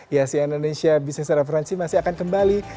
ihc indonesia business and reference masih akan kembali